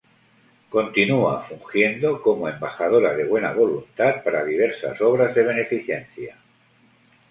Continúa fungiendo como embajadora de buena voluntad para diversas obras de beneficencia.